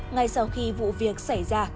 ngay sau khi vụ việc xảy ra